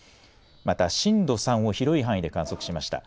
また震度３を広い範囲で観測しました。